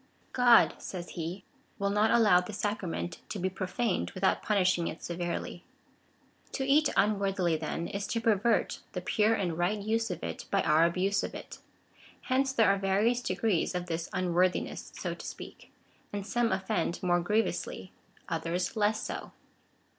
" God," says he, " will not allow this sacrament to be pro faned without punishing it severely.'' To eat unworthily, then, is to pervert the pure and right use of it by our abuse of it. Hence there are various degrees of this unworthiness, so to speak ; and some offend more griev ously, others less so.